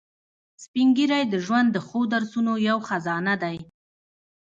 سپین ږیری د ژوند د ښو درسونو یو خزانه دي